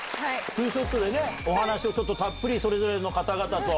ツーショットでお話をたっぷりそれぞれの方々と。